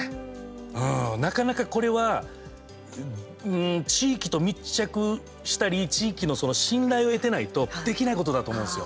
うん、なかなかこれは地域と密着したり地域の信頼を得てないとできないことだと思うんですよ。